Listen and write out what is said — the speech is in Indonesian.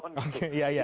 itu kan pengalaman